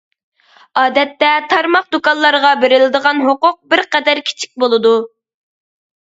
ئادەتتە تارماق دۇكانلارغا بېرىلىدىغان ھوقۇق بىر قەدەر كىچىك بولىدۇ.